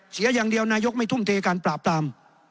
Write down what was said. เสียอย่างเดียวนายกไม่ทุ่มเทการปราบปราม